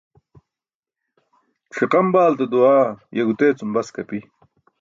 Ṣiqam baalte duwaa ye gutee cum bask api.